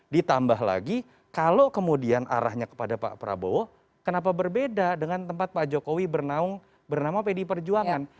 ditambah lagi kalau kemudian arahnya kepada pak prabowo kenapa berbeda dengan tempat pak jokowi bernama pdi perjuangan